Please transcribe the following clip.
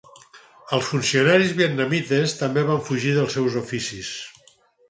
Els funcionaris vietnamites també van fugir dels seus oficis.